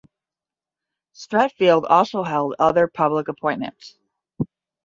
Streatfeild also held other public appointments.